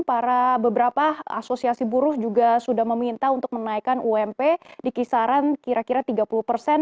para beberapa asosiasi buruh juga sudah meminta untuk menaikkan ump di kisaran kira kira tiga puluh persen